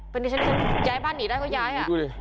เป็นที่ฉันย้ายบ้านหนีได้ก็ย้าย